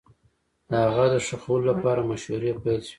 د هغه د ښخولو لپاره مشورې پيل سوې